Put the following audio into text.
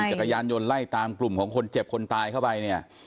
จักรยานยนต์ไล่ตามกลุ่มของคนเจ็บคนตายเข้าไปเนี่ย